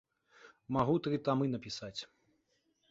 Магу тры тамы напісаць.